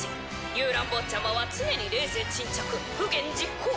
ユウラン坊ちゃまは常に冷静沈着不言実行。